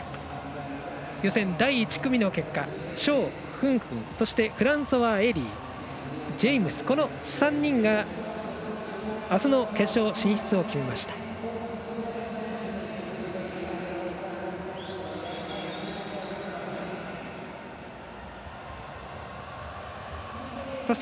予選第１組の結果、蒋芬芬そしてフランソワエリージェイムス、この３人があすの決勝進出を決めました。